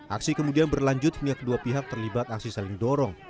aksi kemudian berlanjut pihak kedua pihak terlibat aksi saling dorong